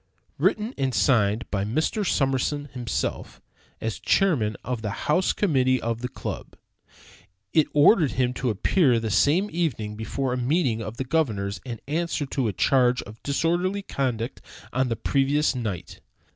Written and signed by Mr. Summerson himself, as chairman of the house committee of the club, it ordered him to appear that same evening before a meeting of the governors and answer to a charge of disorderly conduct on the previous night.